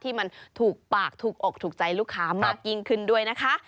ที่มันถูกปากถูกอกถูกใจลูกค้ามากยิ่งขึ้นด้วยนะคะ